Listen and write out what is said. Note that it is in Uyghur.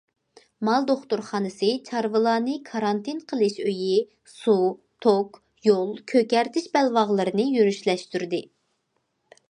مال دوختۇرخانىسى، چارۋىلارنى كارانتىن قىلىش ئۆيى، سۇ، توك، يول، كۆكەرتىش بەلباغلىرىنى يۈرۈشلەشتۈردى.